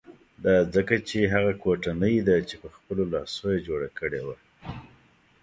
دا ځکه چې هغه کوټنۍ ده چې په خپلو لاسو یې جوړه کړې وه.